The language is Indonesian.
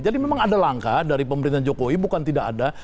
jadi memang ada langkah dari pemerintahan jokowi bukan tidak ada